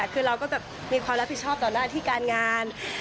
คือเราก็จะมีความรับผิดชอบต่อหน้าที่การงาน